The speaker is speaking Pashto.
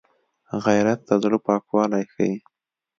غیرت د زړه پاکوالی ښيي